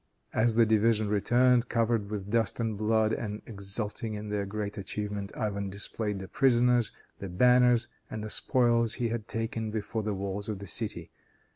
As the division returned covered with dust and blood, and exulting in their great achievement, Ivan displayed the prisoners, the banners, and the spoil he had taken, before the walls of the city.